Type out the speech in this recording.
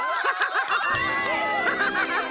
ハハハハッ！